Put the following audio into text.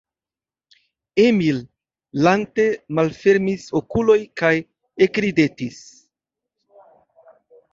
Emil lante malfermis okulojn kaj ekridetis.